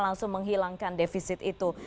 langsung menghilangkan defisit itu